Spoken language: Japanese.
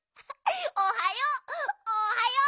おはようおはよう！